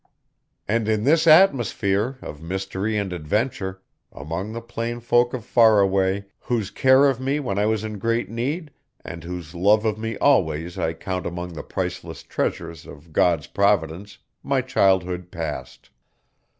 And in this atmosphere of mystery and adventure, among the plain folk of Faraway, whose care of me when I was in great need, and whose love of me always, I count among the priceless treasures of God's providence, my childhood passed.